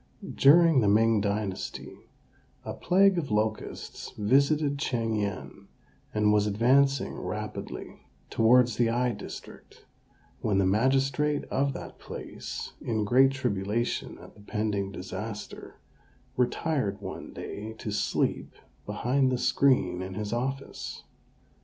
During the Ming dynasty a plague of locusts visited Ch'ing yen, and was advancing rapidly towards the I district, when the magistrate of that place, in great tribulation at the pending disaster, retired one day to sleep behind the screen in his office.